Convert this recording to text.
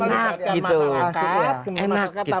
tambah suka wawasannya